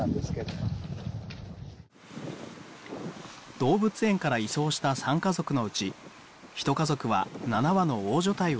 動物園から移送した３家族のうち一家族は７羽の大所帯を維持。